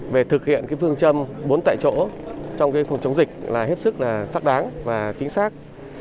về thực hiện phương châm bốn tại chỗ trong phòng chống dịch là hết sức xác đáng và chính xác